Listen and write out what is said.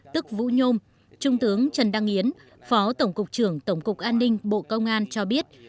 tức vũ nhôm trung tướng trần đăng yến phó tổng cục trưởng tổng cục an ninh bộ công an cho biết